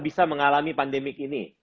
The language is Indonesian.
bisa mengalami pandemi ini